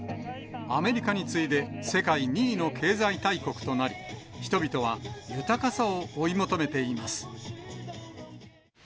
アメリカに次いで世界２位の経済大国となり、人々は豊かさを追い求めています。